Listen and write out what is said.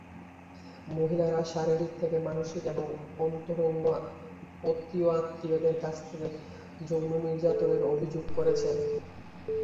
মহিলারা শারীরিক থেকে মানসিক এবং অন্তরঙ্গ অতিয় আত্মীয়দের কাছ থেকে যৌন নির্যাতনের অভিযোগ করেছেন।